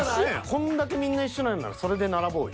こんだけみんな一緒ならそれで並ぼうよ。